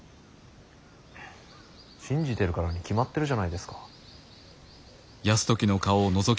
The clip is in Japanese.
信じてるからに決まってるじゃないですか。